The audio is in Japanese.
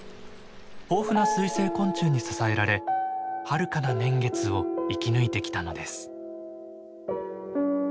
豊富な水生昆虫に支えられはるかな年月を生き抜いてきたのです。